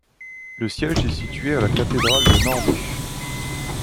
Le siège est situé à la cathédrale de Norwich.